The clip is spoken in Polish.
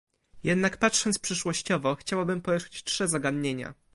Jednak patrząc przyszłościowo chciałabym poruszyć trzy zagadnienia